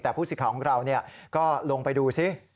แต่ผู้สิทธิ์ของเราก็ลงไปดูซิ